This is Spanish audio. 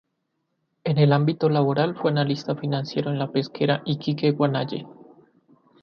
En el ámbito laboral fue analista financiero en la Pesquera Iquique-Guanaye.